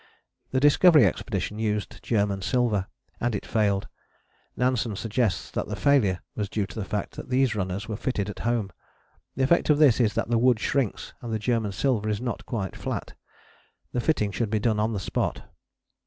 The Discovery Expedition used German silver, and it failed: Nansen suggests that the failure was due to the fact that these runners were fitted at home. The effect of this is that the wood shrinks and the German silver is not quite flat: the fitting should be done on the spot.